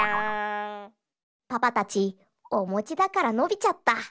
パパたちおもちだからのびちゃった。